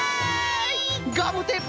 ガムテープ